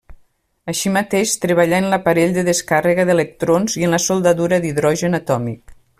Així mateix, treballà en l'aparell de descàrrega d'electrons i en la soldadura d'hidrogen atòmic.